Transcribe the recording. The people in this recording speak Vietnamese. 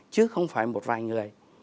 chứ không phải một vài người